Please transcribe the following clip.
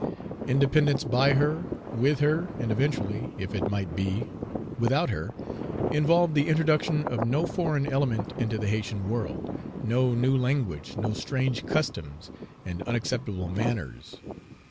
Independence by her, with her, and eventually if it might be without her, involved the introduction of no foreign element into the Haytian world, no new language, no strange customs, and unacceptable manners.